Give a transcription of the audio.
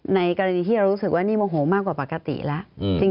ในกรณีที่เรารู้สึกว่านี่โมโหมากกว่าปกติแล้ว